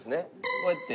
こうやって。